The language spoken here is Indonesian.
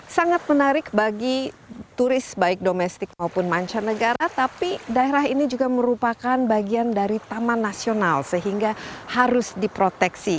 sangat menarik bagi turis baik domestik maupun mancanegara tapi daerah ini juga merupakan bagian dari taman nasional sehingga harus diproteksi